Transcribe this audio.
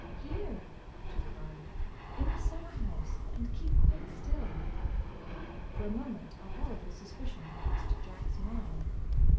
"Here," she cried, "in the summer house. And keep quite still." For a moment a horrible suspicion crossed Jack's mind.